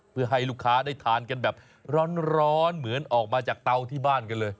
เพื่อให้ลูกค้าได้ทานกันแบบร้อนเหมือนออกมาจากเตาที่บ้านกันเลย